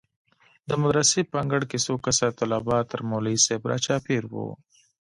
د مدرسې په انګړ کښې څو کسه طلبا تر مولوي صاحب راچاپېر وو.